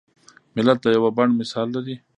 ملت د یوه بڼ مثال لري.